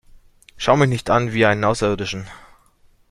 Schau mich nicht an wie einen Außerirdischen!